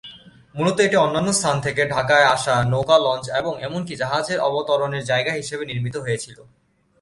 মূলত, এটি অন্যান্য স্থান থেকে ঢাকায় আসা নৌকা, লঞ্চ এবং এমনকি জাহাজের অবতরণের জায়গা হিসাবে নির্মিত হয়েছিল।